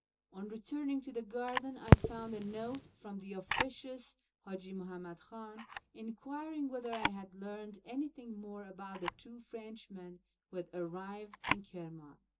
On returning to the garden I found a note from the officious Haji Muhammad Khan, enquiring whether I had learned anything more about the two Frenchmen who had arrived in Kirmiin.